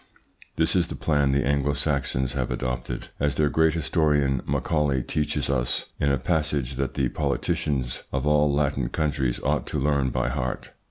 This is the plan the Anglo Saxons have adopted, as their great historian, Macaulay, teaches us in a passage that the politicians of all Latin countries ought to learn by heart.